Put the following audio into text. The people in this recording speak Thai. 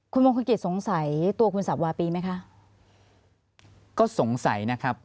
คุณมงคลกิจสงสัยตัวคุณสับวาปีไหมคะก็สงสัยนะครับ